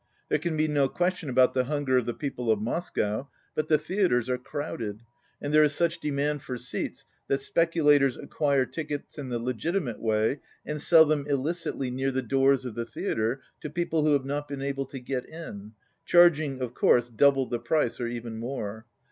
There can be no question about the hunger of the people of Moscow, but the theatres are crowded, and there is such demand for seats that speculators acquire tickets in the legitimate way and sell them illicitly near the doors of the theatre to people who have not been able to get in, charging, of course, double the price or even more.